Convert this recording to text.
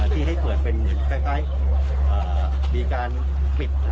ที่ให้เปิดเป็นคล้ายมีการปิด